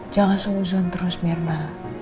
jangan seuzan terus mirna